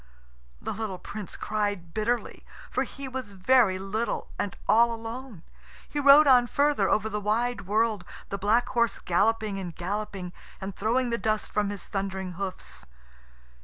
The little Prince cried bitterly, for he was very little and all alone. He rode on further over the wide world, the black horse galloping and galloping, and throwing the dust from his thundering hoofs.